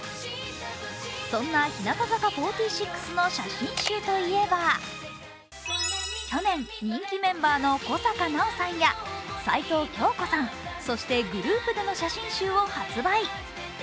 そんな日向坂４６の写真集といえば、去年人気メンバーの小坂菜緒さんや齊藤京子さん、そしてグループでの写真集を発売。